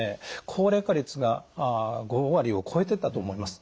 高齢化率が５割を超えてたと思います。